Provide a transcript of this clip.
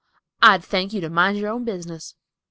I'd thank you to mind your own business."